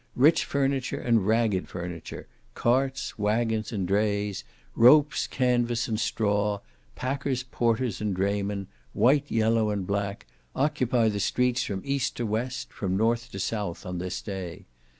Rich furniture and ragged furniture, carts, waggons, and drays, ropes, canvas, and straw, packers, porters, and draymen, white, yellow, and black, occupy the streets from east to west, from north to south, on this day.